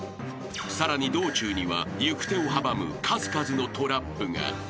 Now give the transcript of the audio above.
［さらに道中には行く手を阻む数々のトラップが。